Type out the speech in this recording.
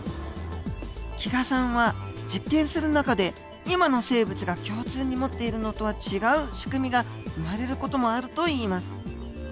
木賀さんは実験する中で今の生物が共通に持っているのとは違う仕組みが生まれる事もあるといいます。